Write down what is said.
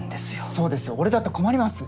そうですよ俺だって困ります。